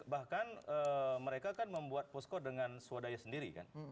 bahkan mereka kan membuat posko dengan swadaya sendiri kan